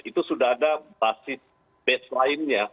itu sudah ada basis baseline nya